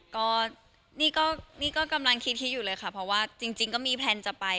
ก็นี่ก็นี่ก็กำลังคิดอยู่เลยค่ะเพราะว่าจริงก็มีแพลนจะไป